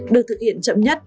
được thực hiện chậm nhất